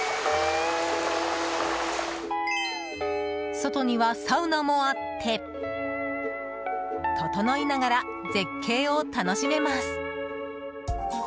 外にはサウナもあってととのいながら絶景を楽しめます。